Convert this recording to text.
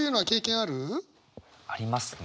ありますね。